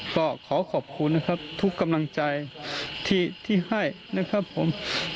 ก็ขอขอบคุณนะครับทุกกำลังใจที่ให้นะครับผม